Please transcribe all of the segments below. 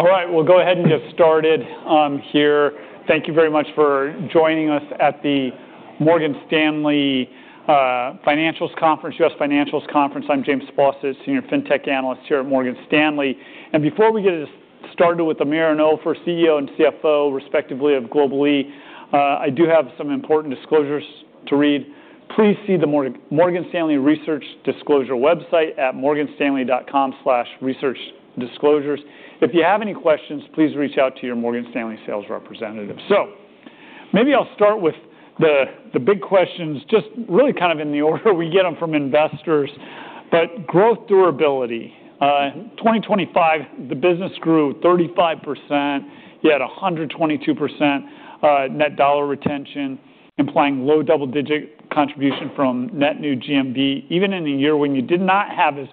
All right, we'll go ahead and get started here. Thank you very much for joining us at the Morgan Stanley Financials Conference, U.S. Financials Conference. I'm James Faucette, senior fintech analyst here at Morgan Stanley. Before we get started with Amir and Ofer, CEO and CFO respectively of Global-E Online, I do have some important disclosures to read. Please see the Morgan Stanley Research Disclosure website at morganstanley.com/researchdisclosures. If you have any questions, please reach out to your Morgan Stanley sales representative. Maybe I'll start with the big questions, just really kind of in the order we get them from investors. Growth durability. 2025, the business grew 35%, you had 122% net dollar retention, implying low double-digit contribution from net new GMV, even in a year when you did not have as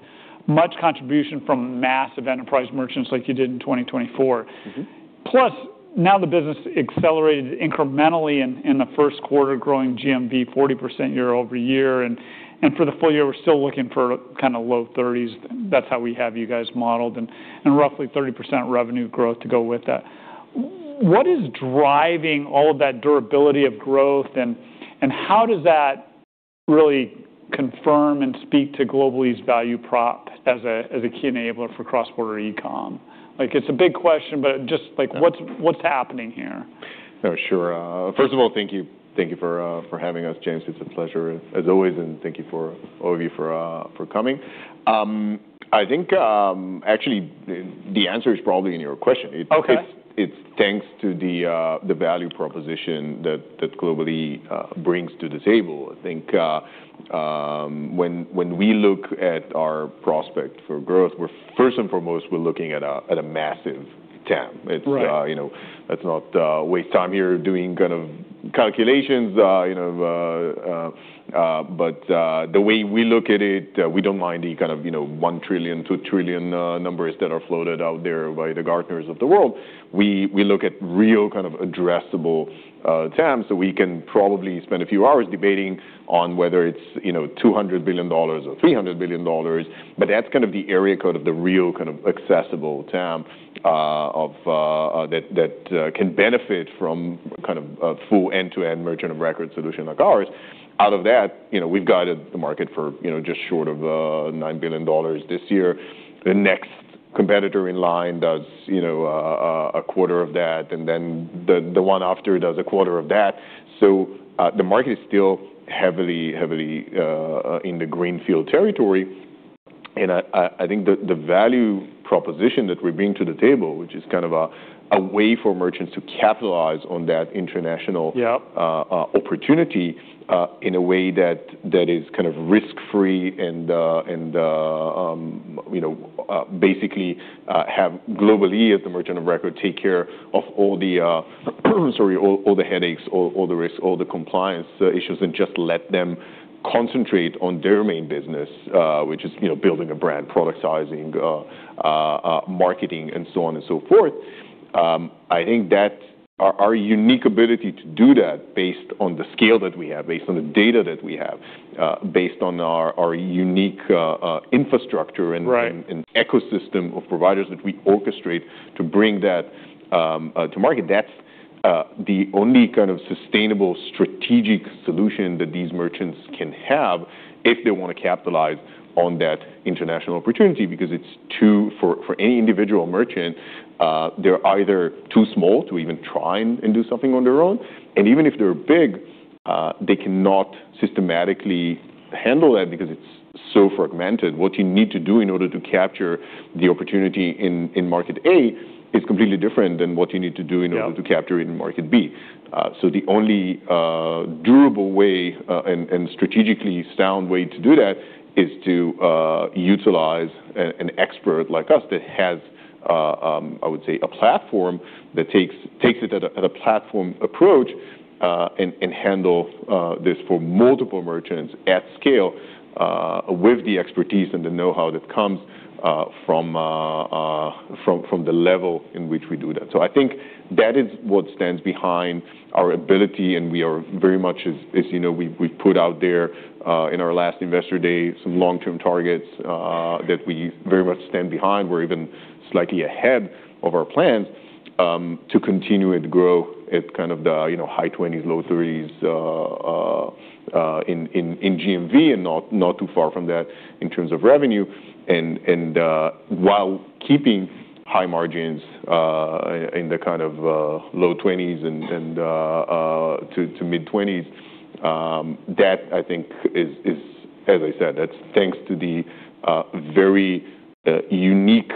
much contribution from massive enterprise merchants like you did in 2024. Now the business accelerated incrementally in the first quarter, growing GMV 40% year-over-year, and for the full year, we're still looking for low 30s. That's how we have you guys modeled, and roughly 30% revenue growth to go with that. What is driving all of that durability of growth, and how does that really confirm and speak to Global- E value prop as a key enabler for cross-border e-com? It's a big question, just what's happening here? Sure. First of all, thank you for having us, James. It's a pleasure as always, and thank you all of you for coming. I think, actually, the answer is probably in your question. Okay. It's thanks to the value proposition that Global E brings to the table. I think when we look at our prospect for growth, first and foremost, we're looking at a massive TAM. Right. Let's not waste time here doing calculations. The way we look at it, we don't mind any kind of 1 trillion, 2 trillion numbers that are floated out there by the Gartner of the world. We look at real addressable TAM, so we can probably spend a few hours debating on whether it's $200 billion or $300 billion, but that's kind of the area code of the real accessible TAM that can benefit from a full end-to-end merchant of record solution like ours. Out of that, we've guided the market for just short of $9 billion this year. The next competitor in line does a quarter of that. Then the one after does a quarter of that. The market is still heavily in the greenfield territory. I think the value proposition that we're bringing to the table, which is kind of a way for merchants to capitalize on that international- Yep opportunity, in a way that is risk-free and basically have Global-E as the merchant of record, take care of all the headaches, all the risks, all the compliance issues, and just let them concentrate on their main business, which is building a brand, product sizing, marketing and so on and so forth. I think that our unique ability to do that based on the scale that we have, based on the data that we have, based on our unique infrastructure and- Right ecosystem of providers that we orchestrate to bring that to market, that's the only sustainable strategic solution that these merchants can have if they want to capitalize on that international opportunity. For any individual merchant, they're either too small to even try and do something on their own, and even if they're big, they cannot systematically handle that because it's so fragmented. What you need to do in order to capture the opportunity in market A is completely different than what you need to do in order- Yeah To capture in market B. The only durable way and strategically sound way to do that is to utilize an expert like us that has, I would say, a platform that takes it at a platform approach, and handle this for multiple merchants at scale, with the expertise and the know-how that comes from the level in which we do that. I think that is what stands behind our ability, and we are very much, as you know, we've put out there, in our last investor day, some long-term targets that we very much stand behind. We're even slightly ahead of our plans to continue and grow at kind of the high 20s, low 30s in GMV, and not too far from that in terms of revenue. While keeping high margins in the low 20s and to mid-20s. That, I think is, as I said, that's thanks to the very unique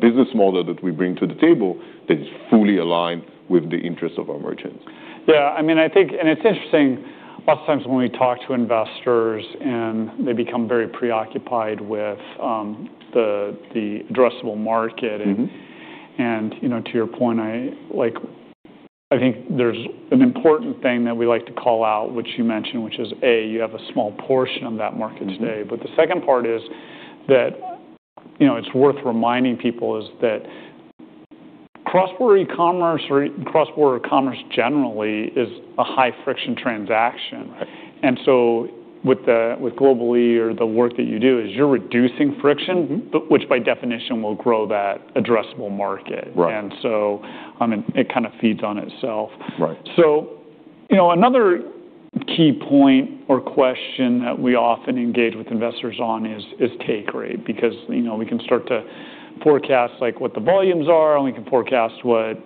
business model that we bring to the table that is fully aligned with the interests of our merchants. It's interesting, a lot of times when we talk to investors and they become very preoccupied with the addressable market. To your point, I think there's an important thing that we like to call out, which you mentioned, which is, A, you have a small portion of that market today. The second part is that it's worth reminding people is that cross-border commerce generally is a high-friction transaction. With Global-E or the work that you do is you're reducing friction. Which by definition will grow that addressable market. Right. It kind of feeds on itself. Right. Another key point or question that we often engage with investors on is take rate. Because we can start to forecast what the volumes are and we can forecast what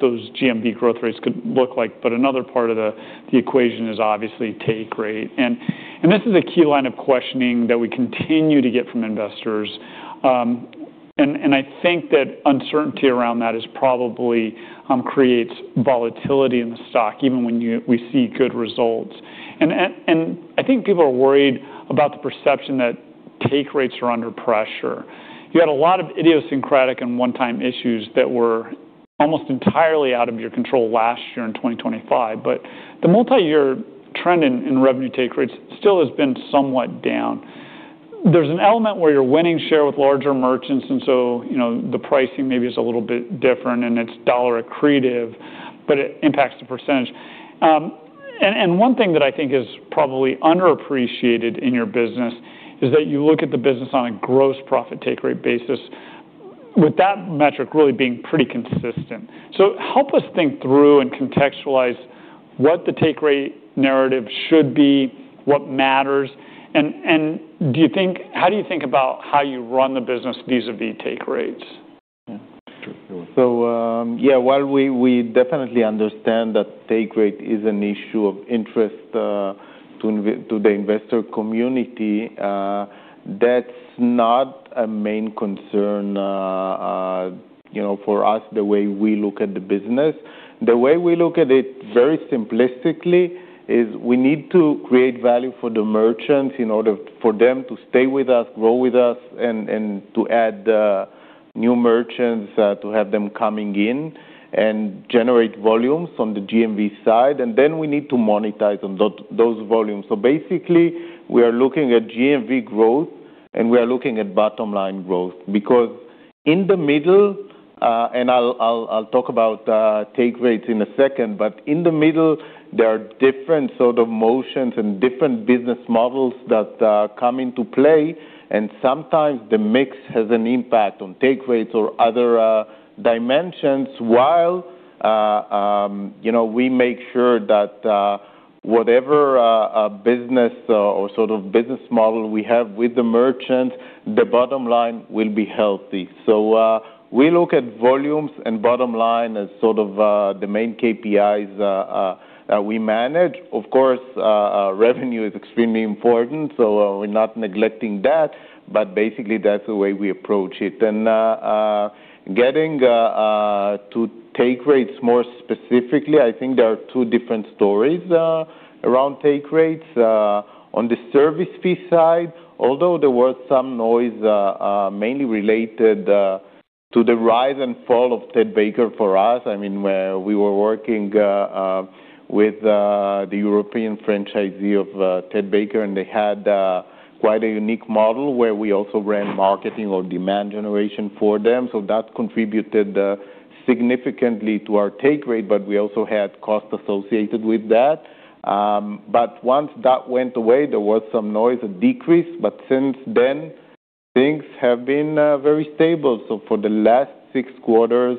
those GMV growth rates could look like. Another part of the equation is obviously take rate. This is a key line of questioning that we continue to get from investors. I think that uncertainty around that probably creates volatility in the stock even when we see good results. I think people are worried about the perception that take rates are under pressure. You had a lot of idiosyncratic and one-time issues that were almost entirely out of your control last year in 2025. The multi-year trend in revenue take rates still has been somewhat down. There's an element where you're winning share with larger merchants, the pricing maybe is a little bit different and it's dollar accretive, but it impacts the percentage. One thing that I think is probably underappreciated in your business is that you look at the business on a gross profit take rate basis with that metric really being pretty consistent. Help us think through and contextualize what the take rate narrative should be, what matters, and how do you think about how you run the business vis-a-vis take rates? Yeah. Sure. While we definitely understand that take rate is an issue of interest to the investor community, that's not a main concern for us the way we look at the business. The way we look at it very simplistically is we need to create value for the merchants in order for them to stay with us, grow with us, and to add new merchants, to have them coming in and generate volumes on the GMV side. We need to monetize on those volumes. Basically, we are looking at GMV growth, and we are looking at bottom-line growth. In the middle, I'll talk about take rates in a second, but in the middle, there are different sort of motions and different business models that come into play, and sometimes the mix has an impact on take rates or other dimensions, while we make sure that whatever business or sort of business model we have with the merchant, the bottom line will be healthy. We look at volumes and bottom line as sort of the main KPIs that we manage. Of course, revenue is extremely important, so we're not neglecting that. Basically, that's the way we approach it. Getting to take rates more specifically, I think there are two different stories around take rates. On the service fee side, although there was some noise mainly related to the rise and fall of Ted Baker for us. We were working with the European franchisee of Ted Baker, and they had quite a unique model where we also ran marketing or demand generation for them. That contributed significantly to our take rate, but we also had cost associated with that. Once that went away, there was some noise, a decrease, but since then, things have been very stable. For the last six quarters,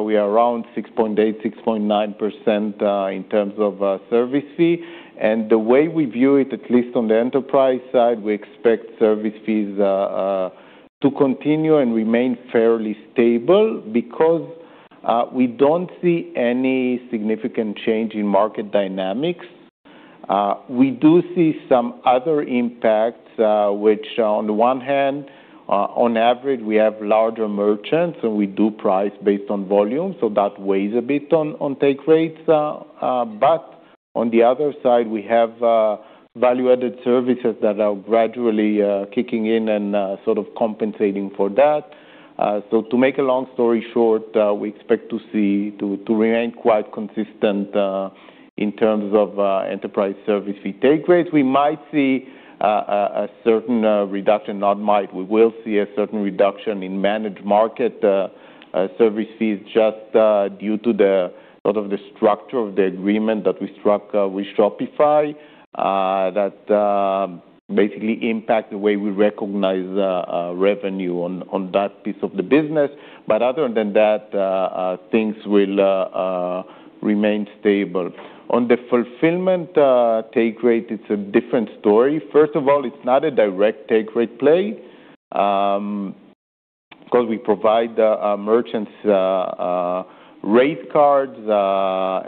we are around 6.8%, 6.9% in terms of service fee. The way we view it, at least on the enterprise side, we expect service fees to continue and remain fairly stable because we don't see any significant change in market dynamics. We do see some other impacts, which on the one hand, on average, we have larger merchants, and we do price based on volume, so that weighs a bit on take rates. On the other side, we have value-added services that are gradually kicking in and sort of compensating for that. To make a long story short, we expect to remain quite consistent in terms of enterprise service fee take rates. We might see a certain reduction. Not might. We will see a certain reduction in Managed Markets service fees just due to the sort of the structure of the agreement that we struck with Shopify that basically impact the way we recognize revenue on that piece of the business. Other than that, things will remain stable. On the fulfillment take rate, it's a different story. First of all, it's not a direct take rate play because we provide merchants rate cards,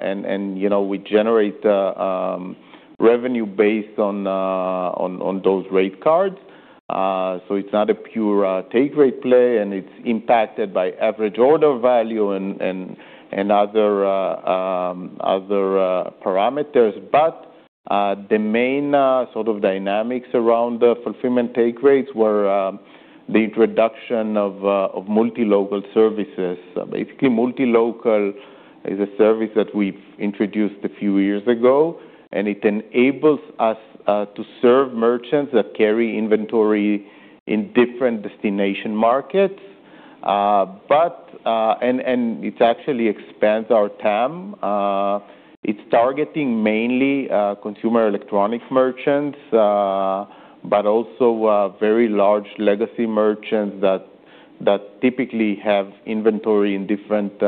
and we generate revenue based on those rate cards. It's not a pure take rate play, and it's impacted by average order value and other parameters. The main sort of dynamics around the fulfillment take rates were the introduction of multi-local services. Basically, multi-local is a service that we've introduced a few years ago, and it enables us to serve merchants that carry inventory in different destination markets. It actually expands our TAM. It's targeting mainly consumer electronics merchants, but also very large legacy merchants that typically have inventory in different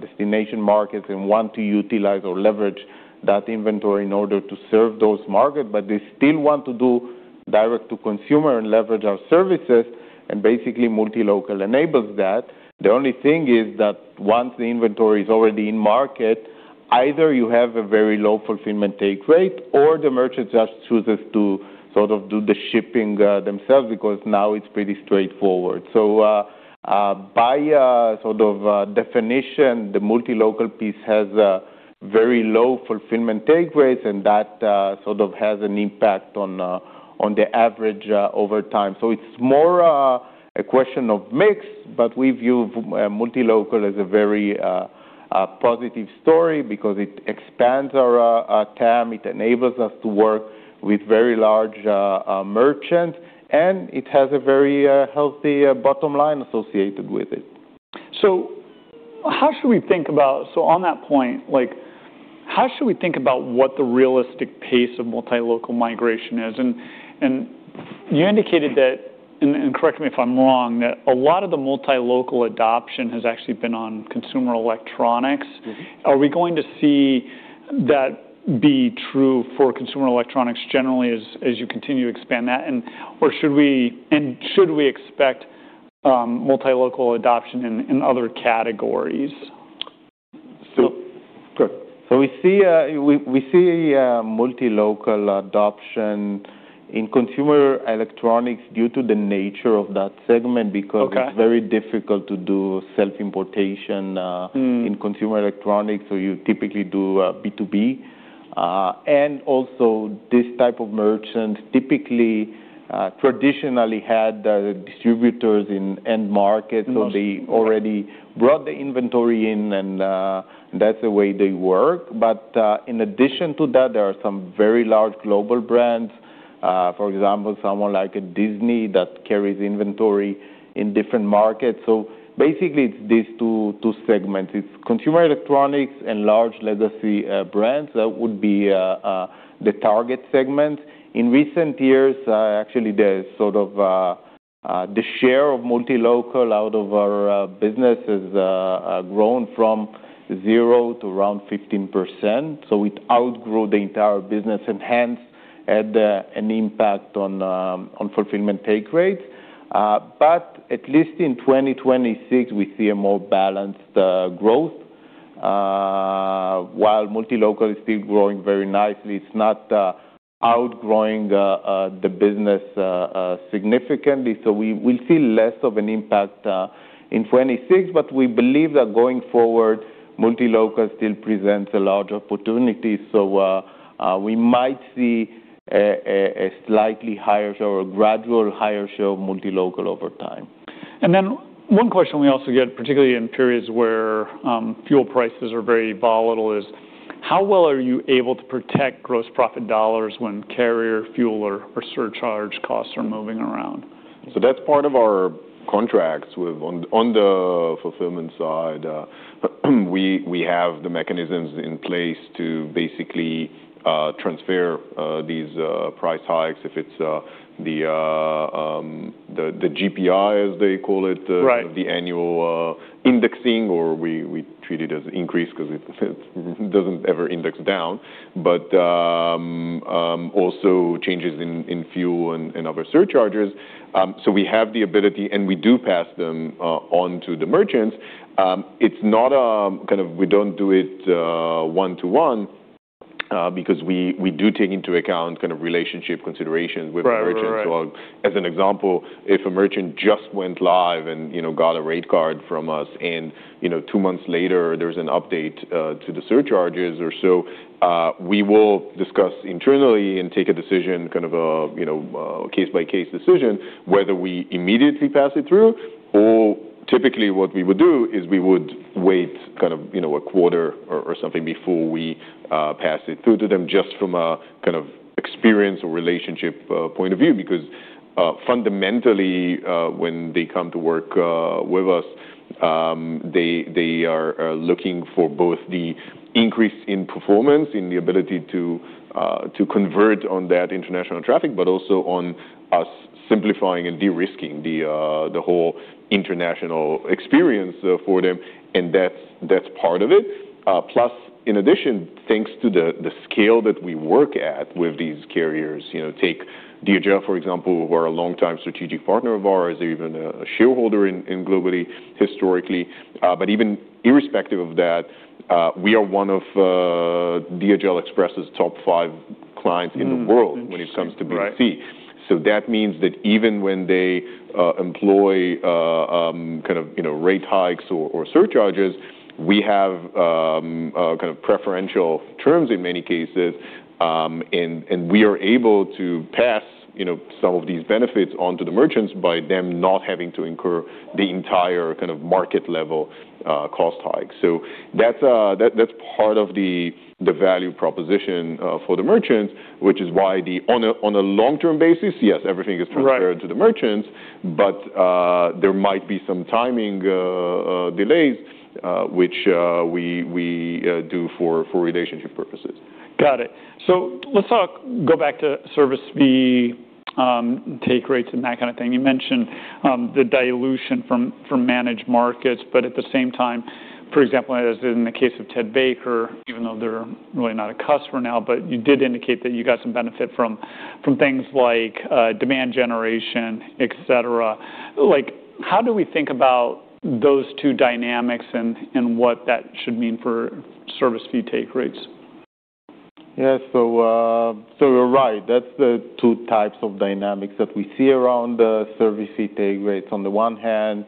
destination markets and want to utilize or leverage that inventory in order to serve those markets, but they still want to do direct to consumer and leverage our services, and basically multi-local enables that. The only thing is that once the inventory is already in market, either you have a very low fulfillment take rate, or the merchant just chooses to sort of do the shipping themselves because now it's pretty straightforward. By sort of definition, the multi-local piece has very low fulfillment take rates, and that sort of has an impact on the average over time. It's more a question of mix, we view multi-local as a very positive story because it expands our TAM, it enables us to work with very large merchants, and it has a very healthy bottom line associated with it. On that point, how should we think about what the realistic pace of multi-local migration is? You indicated that, and correct me if I'm wrong, that a lot of the multi-local adoption has actually been on consumer electronics. Are we going to see that be true for consumer electronics generally as you continue to expand that? Should we expect multi-local adoption in other categories? we see multi-local adoption in consumer electronics due to the nature of that segment, because. Okay it's very difficult to do self-importation. in consumer electronics, so you typically do B2B. this type of merchant typically, traditionally had distributors in end markets. they already brought the inventory in, and that's the way they work. in addition to that, there are some very large global brands. For example, someone like a Disney that carries inventory in different markets. basically, it's these two segments. It's consumer electronics and large legacy brands. That would be the target segment. In recent years, actually, the share of multi-local out of our business has grown from 0 to around 15%. it outgrew the entire business and hence had an impact on fulfillment take rates. at least in 2026, we see a more balanced growth. While multi-local is still growing very nicely, it's not outgrowing the business significantly. we'll see less of an impact in 2026, but we believe that going forward, multi-local still presents a large opportunity. We might see a slightly higher or a gradual higher share of multi-local over time. One question we also get, particularly in periods where fuel prices are very volatile, is how well are you able to protect gross profit dollars when carrier fuel or surcharge costs are moving around? That's part of our contracts. On the fulfillment side, we have the mechanisms in place to basically transfer these price hikes if it's the GPI, as they call it. Right the annual indexing, or we treat it as an increase because it doesn't ever index down. Also changes in fuel and other surcharges. We have the ability, and we do pass them onto the merchants. We don't do it one-to-one, because we do take into account kind of relationship considerations with the merchants. Right. As an example, if a merchant just went live and got a rate card from us, and two months later, there is an update to the surcharges or so, we will discuss internally and take a decision, kind of a case-by-case decision, whether we immediately pass it through, or typically what we would do is we would wait a quarter or something before we pass it through to them, just from a kind of experience or relationship point of view. Because fundamentally, when they come to work with us, they are looking for both the increase in performance, in the ability to convert on that international traffic, but also on us simplifying and de-risking the whole international experience for them. That is part of it. Plus, in addition, thanks to the scale that we work at with these carriers. Take DHL, for example, who are a longtime strategic partner of ours, even a shareholder in Global-E historically. Even irrespective of that, we are one of DHL Express's top five clients in the world. Interesting. Right. when it comes to B2C. That means that even when they employ rate hikes or surcharges, we have kind of preferential terms in many cases, and we are able to pass some of these benefits onto the merchants by them not having to incur the entire kind of market-level cost hike. That is part of the value proposition for the merchants, which is why on a long-term basis, yes, everything is transferred. Right to the merchants, there might be some timing delays, which we do for relationship purposes. Got it. Let's go back to service fee take rates and that kind of thing. You mentioned the dilution from Managed Markets, but at the same time, for example, as in the case of Ted Baker, even though they're really not a customer now, but you did indicate that you got some benefit from things like demand generation, et cetera. How do we think about those two dynamics and what that should mean for service fee take rates? Yeah. You're right, that's the two types of dynamics that we see around the service fee take rates. On the one hand,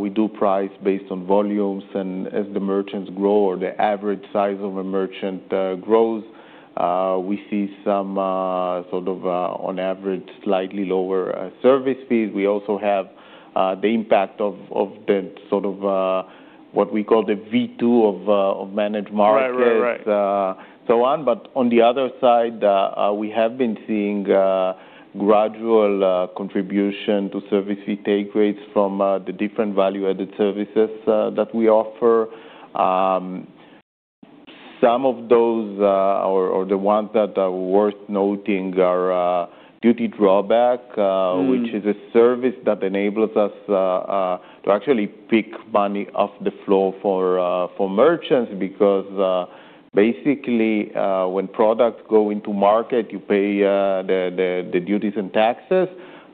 we do price based on volumes. As the merchants grow or the average size of a merchant grows, we see some sort of on average slightly lower service fees. We also have the impact of the sort of what we call the V2 of Managed Markets. Right so on. On the other side, we have been seeing gradual contribution to service fee take rates from the different value-added services that we offer. Some of those or the ones that are worth noting are duty drawback. which is a service that enables us to actually pick money off the floor for merchants because, basically, when products go into market, you pay the duties and taxes.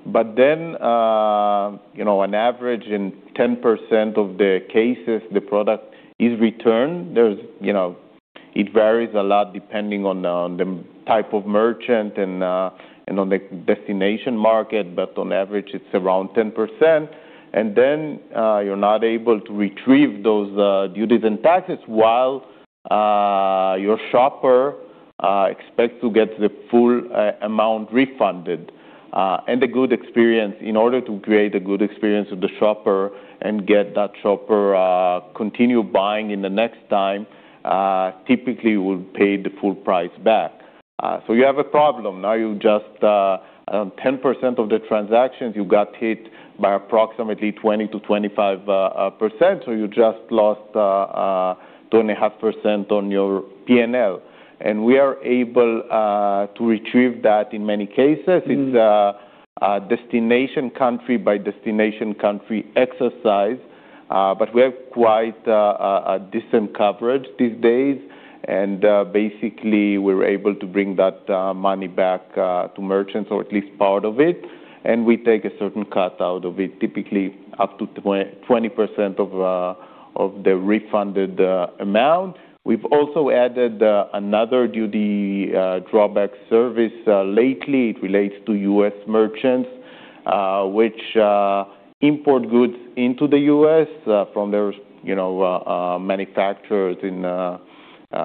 Then, on average, in 10% of the cases, the product is returned. It varies a lot depending on the type of merchant and on the destination market. On average, it's around 10%. Then you're not able to retrieve those duties and taxes while your shopper expects to get the full amount refunded and a good experience. In order to create a good experience with the shopper and get that shopper continue buying in the next time, typically we'll pay the full price back. You have a problem. 10% of the transactions you got hit by approximately 20%-25%, so you just lost 2.5% on your PNL. We are able to retrieve that in many cases. It's a destination country by destination country exercise. We have quite a decent coverage these days. Basically, we're able to bring that money back to merchants or at least part of it, and we take a certain cut out of it, typically up to 20% of the refunded amount. We've also added another duty drawback service lately. It relates to U.S. merchants, which import goods into the U.S. from their manufacturers in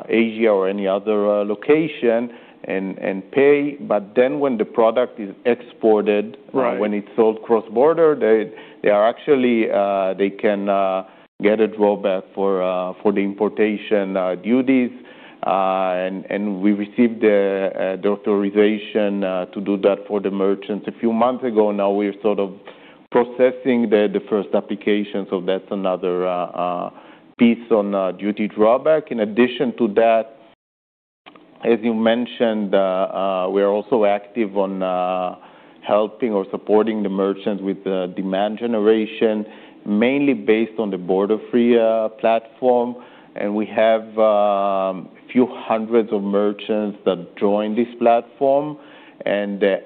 Asia or any other location and pay. When the product is exported- Right when it's sold cross-border, they can get a drawback for the importation duties. We received the authorization to do that for the merchants a few months ago. Now we're sort of processing the first application. That's another piece on duty drawback. In addition to that, as you mentioned, we are also active on helping or supporting the merchants with the demand generation, mainly based on the Borderfree platform. We have a few hundreds of merchants that join this platform.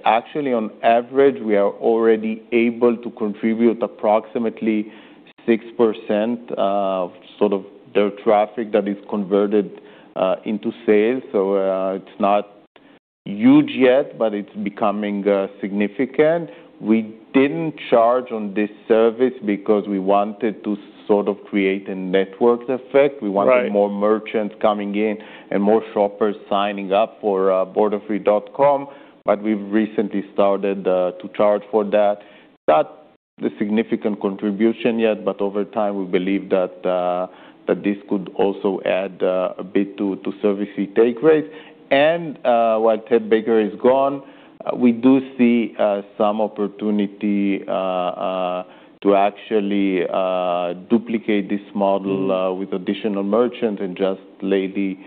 Actually, on average, we are already able to contribute approximately 6% of sort of their traffic that is converted into sales. It's not huge yet, but it's becoming significant. We didn't charge on this service because we wanted to sort of create a network effect. Right. We wanted more merchants coming in and more shoppers signing up for Borderfree.com. We've recently started to charge for that. Not the significant contribution yet, but over time, we believe that this could also add a bit to service fee take rates. While Ted Baker is gone, we do see some opportunity to actually duplicate this model- with additional merchants. Just lately,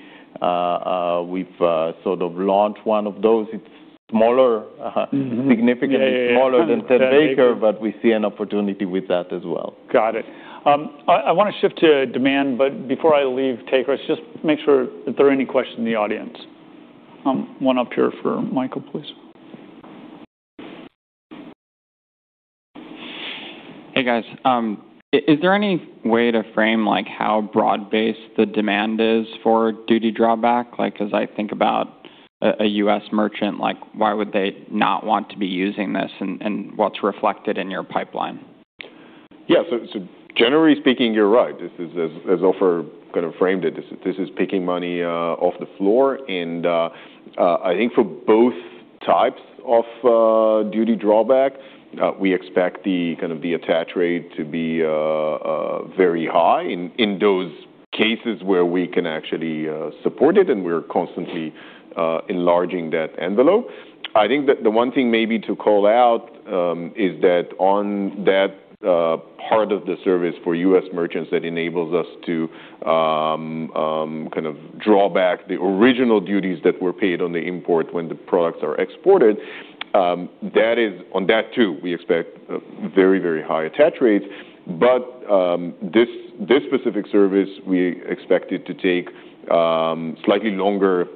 we've sort of launched one of those. It's smaller, significantly smaller than Ted Baker- Yeah We see an opportunity with that as well. Got it. I want to shift to demand, but before I leave, let's just make sure if there are any questions in the audience. One up here for Michael, please. Hey, guys. Is there any way to frame how broad-based the demand is for duty drawback? As I think about a U.S. merchant, why would they not want to be using this and what's reflected in your pipeline? Yeah. Generally speaking, you're right. As Ofer kind of framed it, this is picking money off the floor, and I think for both types of duty drawback, we expect the kind of the attach rate to be very high in those cases where we can actually support it, and we're constantly enlarging that envelope. I think that the one thing maybe to call out is that on that part of the service for U.S. merchants that enables us to kind of draw back the original duties that were paid on the import when the products are exported, on that too, we expect very high attach rates. This specific service, we expect it to take slightly longer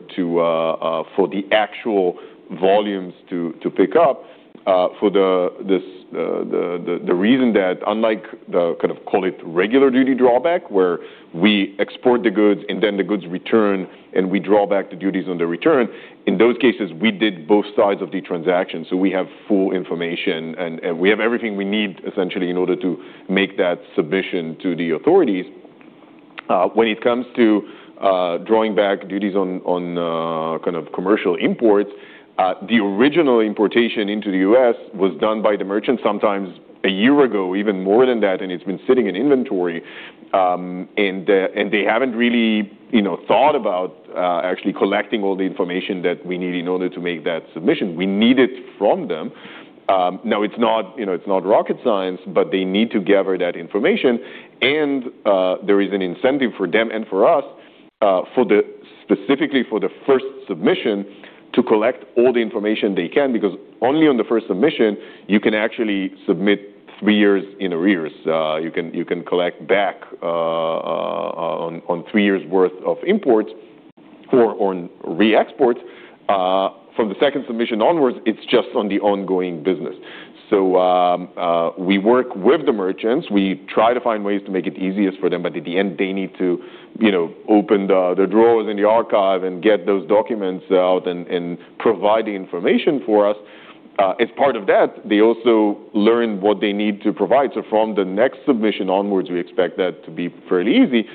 for the actual volumes to pick up for the reason that unlike the kind of, call it regular duty drawback, where we export the goods and then the goods return, and we draw back the duties on the return. In those cases, we did both sides of the transaction, we have full information and we have everything we need, essentially, in order to make that submission to the authorities. When it comes to drawing back duties on commercial imports, the original importation into the U.S. was done by the merchant sometimes a year ago, even more than that. It's been sitting in inventory. They haven't really thought about actually collecting all the information that we need in order to make that submission. We need it from them. Now, it's not rocket science, they need to gather that information, and there is an incentive for them and for us, specifically for the first submission, to collect all the information they can, because only on the first submission, you can actually submit three years in arrears. You can collect back on three years' worth of imports or on re-exports. From the second submission onwards, it's just on the ongoing business. We work with the merchants, we try to find ways to make it easiest for them, but at the end, they need to open their drawers and the archive and get those documents out and provide the information for us. As part of that, they also learn what they need to provide. From the next submission onwards, we expect that to be fairly easy.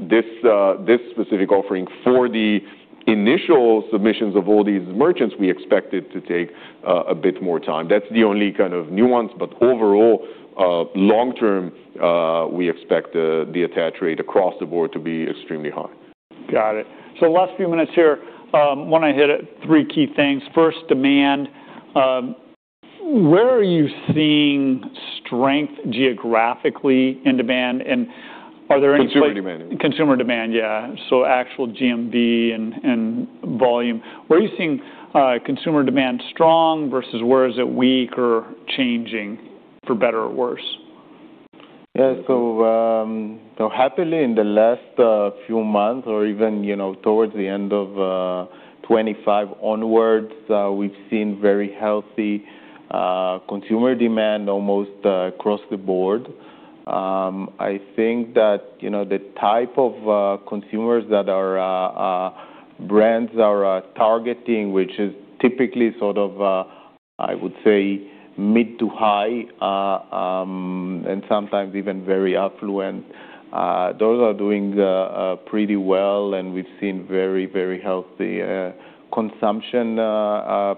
This specific offering for the initial submissions of all these merchants, we expect it to take a bit more time. That's the only kind of nuance. Overall, long term, we expect the attach rate across the board to be extremely high. Got it. Last few minutes here, want to hit at three key things. First, demand. Where are you seeing strength geographically in demand and are there any. Consumer demand. Consumer demand, yeah. Actual GMV and volume. Where are you seeing consumer demand strong versus where is it weak or changing for better or worse? Yeah. Happily, in the last few months or even towards the end of 2025 onwards, we've seen very healthy consumer demand almost across the board. I think that the type of consumers that our brands are targeting, which is typically sort of, I would say mid to high, and sometimes even very affluent, those are doing pretty well and we've seen very healthy consumption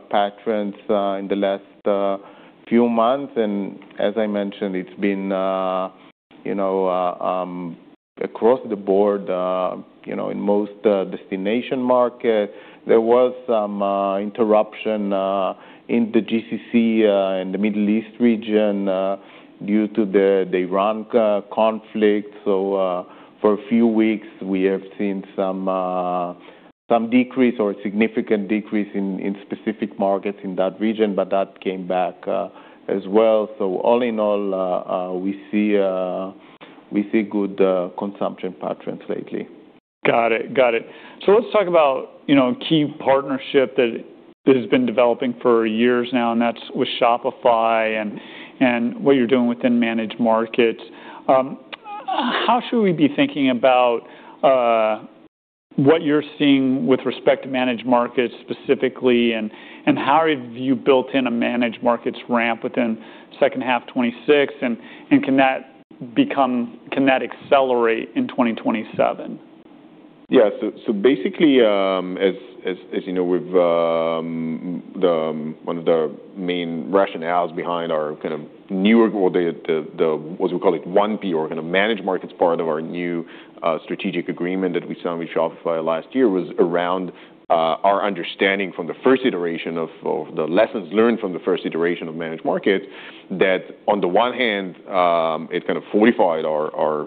patterns in the last few months. As I mentioned, it's been across the board, in most destination markets. There was some interruption in the GCC, in the Middle East region, due to the Iran conflict. For a few weeks we have seen some decrease or significant decrease in specific markets in that region. That came back as well. All in all, we see good consumption patterns lately. Got it. Let's talk about a key partnership that has been developing for years now, and that's with Shopify and what you're doing within Managed Markets. How should we be thinking about what you're seeing with respect to Managed Markets specifically, and how have you built in a Managed Markets ramp within second half 2026, and can that accelerate in 2027? Yeah. Basically, as you know, one of the main rationales behind our kind of newer, what we call it, 1P, or kind of Managed Markets part of our new strategic agreement that we signed with Shopify last year was around our understanding from the first iteration of the lessons learned from the first iteration of Managed Markets that on the one hand, it kind of fortified our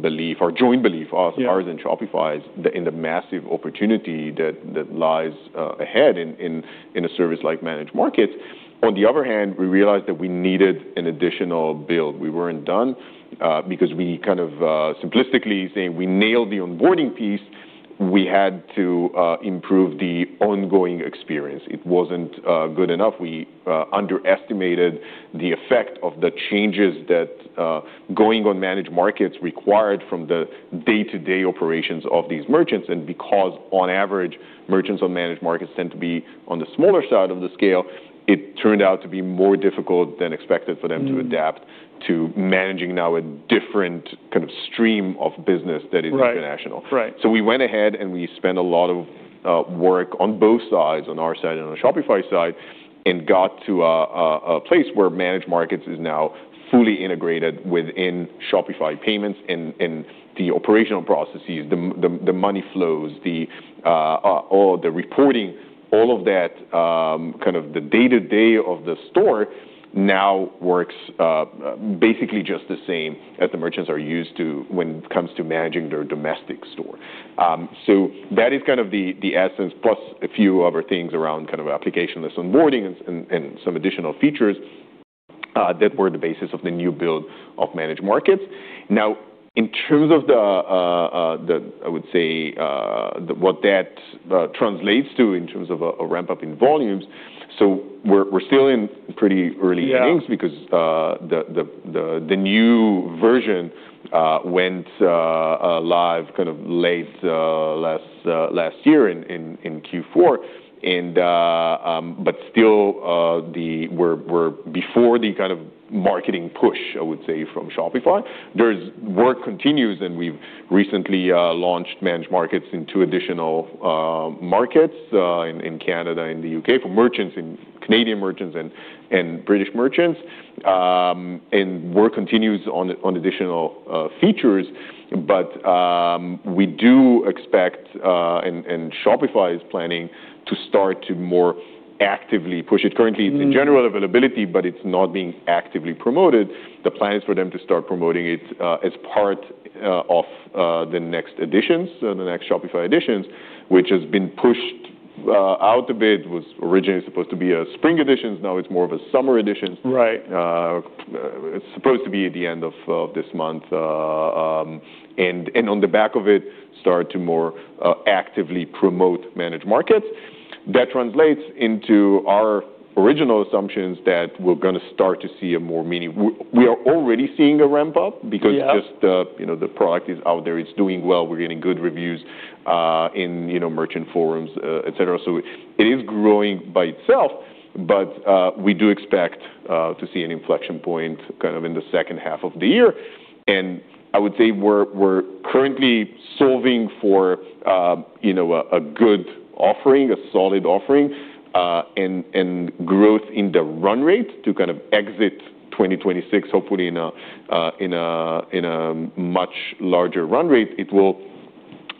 belief, our joint belief. Ours and Shopify's in the massive opportunity that lies ahead in a service like Managed Markets. On the other hand, we realized that we needed an additional build. We weren't done, because we kind of simplistically saying we nailed the onboarding piece. We had to improve the ongoing experience. It wasn't good enough. We underestimated the effect of the changes that going on Managed Markets required from the day-to-day operations of these merchants. Because on average, merchants on Managed Markets tend to be on the smaller side of the scale, it turned out to be more difficult than expected for them to adapt to managing now a different kind of stream of business that is international. Right. We went ahead and we spent a lot of work on both sides, on our side and on the Shopify side. Got to a place where Managed Markets is now fully integrated within Shopify Payments and the operational processes, the money flows, all the reporting, all of that, the day-to-day of the store now works basically just the same as the merchants are used to when it comes to managing their domestic store. That is the essence, plus a few other things around applicationless onboarding and some additional features that were the basis of the new build of Managed Markets. In terms of what that translates to in terms of a ramp-up in volumes, we're still in pretty early innings. Yeah The new version went live late last year in Q4, but still we're before the kind of marketing push, I would say, from Shopify. Work continues, and we've recently launched Managed Markets in two additional markets, in Canada and the U.K. for Canadian merchants and British merchants. Work continues on additional features. We do expect, and Shopify is planning to start to more actively push it. Currently, it's in general availability, but it's not being actively promoted. The plan is for them to start promoting it as part of the next editions, the next Shopify Editions, which has been pushed out a bit. It was originally supposed to be a spring edition, now it's more of a summer edition. Right. It's supposed to be at the end of this month. On the back of it, start to more actively promote Managed Markets. That translates into our original assumptions that we're going to start to see a more. We are already seeing a ramp-up. Yeah Just the product is out there. It's doing well. We're getting good reviews in merchant forums, et cetera. It is growing by itself. We do expect to see an inflection point in the second half of the year. I would say we're currently solving for a good offering, a solid offering, and growth in the run rate to exit 2026, hopefully in a much larger run rate. It will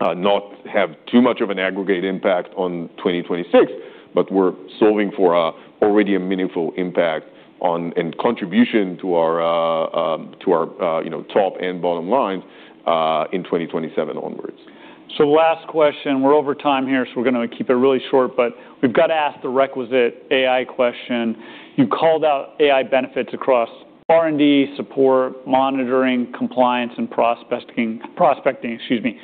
not have too much of an aggregate impact on 2026, but we're solving for already a meaningful impact and contribution to our top and bottom lines in 2027 onwards. Last question. We're over time here, we're going to keep it really short, but we've got to ask the requisite AI question. You called out AI benefits across R&D, support, monitoring, compliance, and prospecting. Excuse me.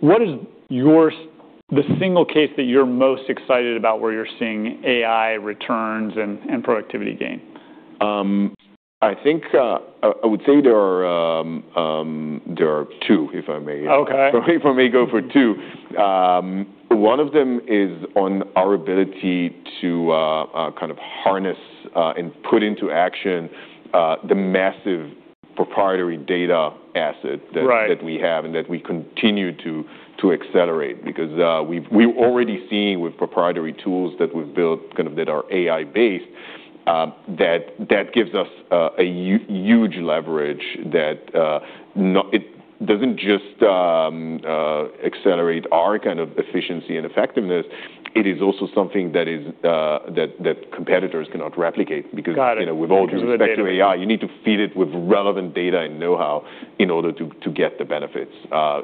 What is the single case that you're most excited about where you're seeing AI returns and productivity gain? I would say there are two, if I may. Okay. If I may go for two. One of them is on our ability to harness and put into action the massive proprietary data asset- Right that we have and that we continue to accelerate because we've already seen with proprietary tools that we've built that are AI-based, that gives us a huge leverage that it doesn't just accelerate our efficiency and effectiveness, it is also something that competitors cannot replicate because Got it With all due respect to AI, you need to feed it with relevant data and know-how in order to get the benefits. I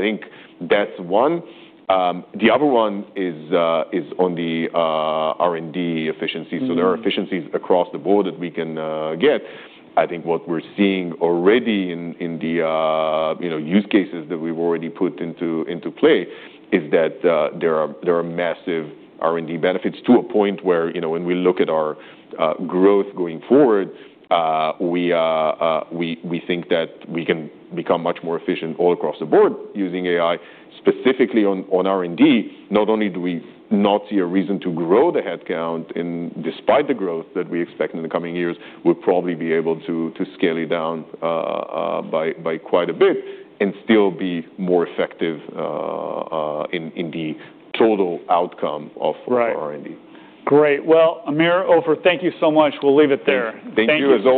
think that's one. The other one is on the R&D efficiency. There are efficiencies across the board that we can get. I think what we're seeing already in the use cases that we've already put into play is that there are massive R&D benefits to a point where when we look at our growth going forward, we think that we can become much more efficient all across the board using AI. Specifically on R&D, not only do we not see a reason to grow the headcount despite the growth that we expect in the coming years, we'll probably be able to scale it down by quite a bit and still be more effective in the total outcome of our R&D. Right. Great. Well, Amir, Ofer, thank you so much. We'll leave it there. Thank you. As always